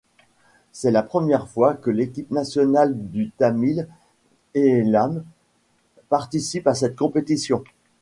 C'est la première fois que l'équipe nationale du Tamil Eelam participe à cette compétition.